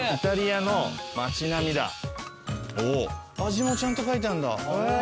味もちゃんと書いてあるんだ。